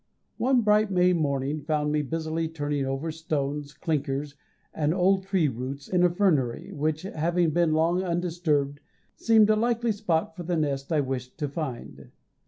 One bright May morning found me busily turning over stones, clinkers, and old tree roots in a fernery, which, having been long undisturbed, seemed a likely spot for the nest I wished to find.